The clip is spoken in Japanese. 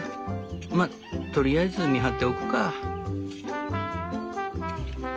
まとりあえず見張っておくか」。